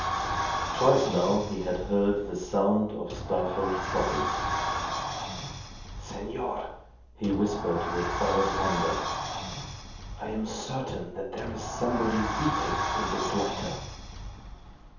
Twice now he had heard the sound of stifled sobbing. "Senor," he whispered with awed wonder, "I am certain that there is somebody weeping in this lighter."